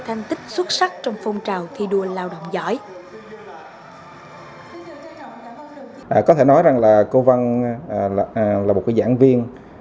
rất xuất sắc trong phong trào thi đua lao động giỏi có thể nói rằng là cô vân là một cái giảng viên